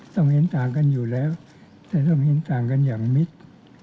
เห็นต่างกันอยู่แล้วแต่ต้องเห็นต่างกันอย่างมิด